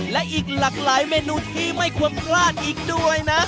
และอีกหลากหลายเมนูที่ไม่ควรพลาดอีกด้วยนะ